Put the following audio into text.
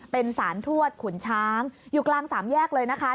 เป็นสารทวดขุนช้างอยู่กลางสามแยกเลยนะคะ